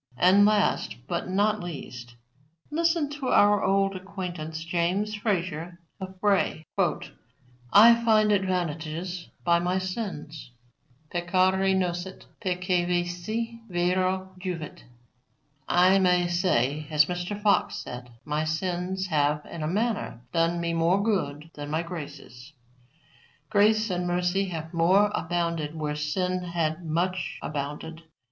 And, last, but not least, listen to our old acquaintance, James Fraser of Brea: "I find advantages by my sins: 'Peccare nocet, peccavisse vero juvat.' I may say, as Mr. Fox said, my sins have, in a manner, done me more good than my graces. Grace and mercy have more abounded where sin had much abounded.